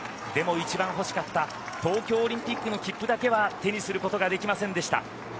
でも、一番欲しかった東京オリンピックの切符だけは手にすることができませんでした。